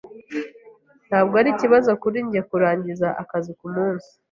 Ntabwo ari ikibazo kuri njye kurangiza akazi kumunsi.